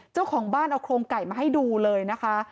เจ้าของบ้านเอาโครงไก่มาให้ดูเลยนะคะ